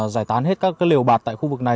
giải tán hết các liều bạt tại khu vực này